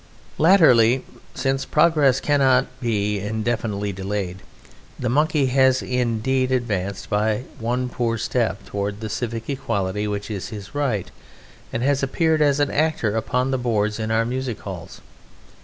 Latterly, since progress cannot be indefinitely delayed, the Monkey has indeed advanced by one poor step towards the civic equality which is his right, and has appeared as an actor upon the boards of our music halls.